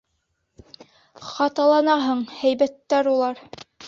Хаталанаһың, һәйбәттәр улар.